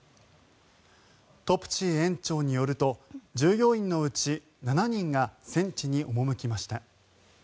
トプチー園長によると従業員のうち７人が戦地に赴きました。